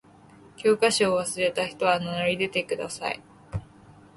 教科書を忘れた人は名乗り出てください。